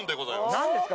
何ですか？